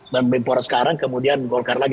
dan menteri pemuda sekarang kemudian golkar lagi